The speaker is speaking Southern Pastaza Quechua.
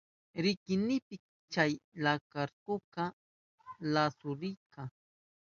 Ridinipi chay lakartuka lasurirka.